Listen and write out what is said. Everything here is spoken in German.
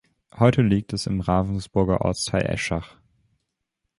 Heute liegt es im Ravensburger Ortsteil Eschach.